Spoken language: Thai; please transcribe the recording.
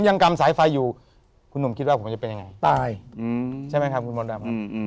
กำสายไฟอยู่คุณหนุ่มคิดว่าผมจะเป็นยังไงตายใช่ไหมครับคุณมดดำครับ